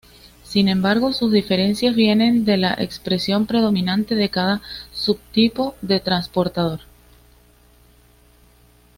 Sin embargo, sus diferencias vienen de la expresión predominante de cada subtipo de transportador.